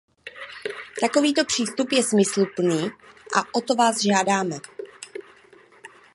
Takovýto přístup je smysluplný, a o to vás žádáme.